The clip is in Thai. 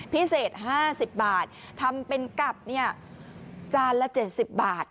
พิเศษ๕๐บาททำเป็นกับจานละ๗๐บาท